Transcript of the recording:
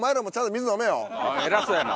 おい偉そうやな。